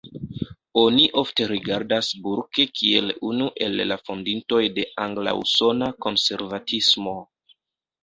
Oni ofte rigardas Burke kiel unu el la fondintoj de angla-usona konservativismo.